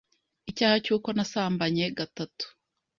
icyaha cy'uko nasambanye gatatu